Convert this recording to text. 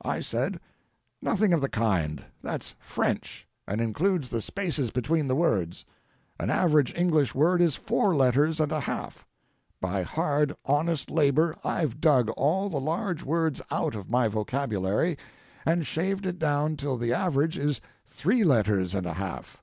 I said, "Nothing of the kind; that's French, and includes the spaces between the words; an average English word is four letters and a half. By hard, honest labor I've dug all the large words out of my vocabulary and shaved it down till the average is three letters and a half.